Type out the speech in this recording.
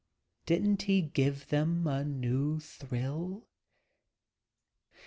h _ Didn't he give them a new thrill?